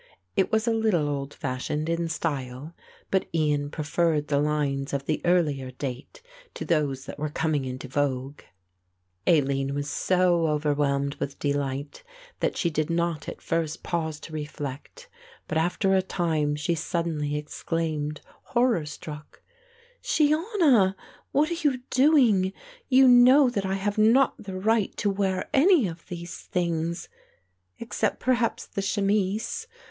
It was a little old fashioned in style, but Ian preferred the lines of the earlier date to those that were coming into vogue. Aline was so overwhelmed with delight that she did not at first pause to reflect; but after a time she suddenly exclaimed horror struck; "Shiona, what are you doing; you know that I have not the right to wear any of these things, except perhaps the chemise?